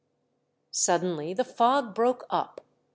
Suddenly the fog broke up.